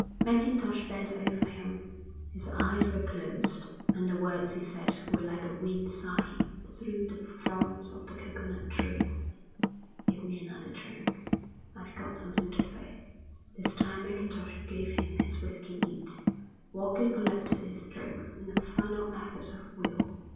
Mackintosh bent over him. His eyes were closed and the words he said were like a wind sighing through the fronds of the coconut trees. "Give me another drink. I've got something to say." This time Mackintosh gave him his whisky neat. Walker collected his strength in a final effort of will.